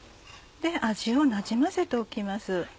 味をなじませておきます。